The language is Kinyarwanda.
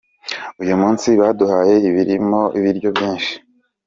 Uyu munsi baduhaye ibiryo byinshi.